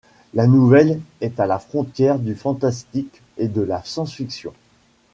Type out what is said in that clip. La nouvelle est à la frontière du fantastique et de la science-fiction.